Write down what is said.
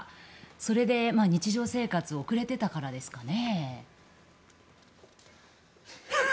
それで日常生活を送れてたからですかね。